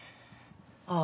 ああ。